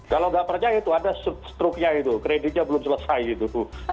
kalau nggak percaya itu ada struknya itu kreditnya belum selesai gitu